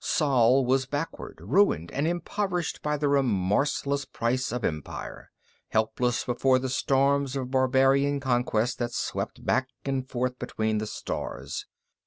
Sol was backward, ruined and impoverished by the remorseless price of empire, helpless before the storms of barbarian conquest that swept back and forth between the stars.